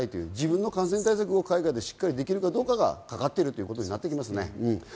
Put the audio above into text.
自分の感染対策を海外でしっかりできるかということになってきますね。